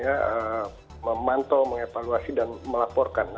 yang pertama adalah memantau mengevaluasi dan melaporkan